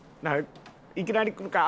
いきなり来るか？